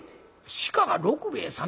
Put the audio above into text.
「鹿が六兵衛さん？」。